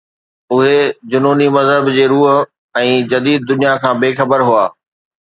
اهي جنوني مذهب جي روح ۽ جديد دنيا کان بي خبر هئا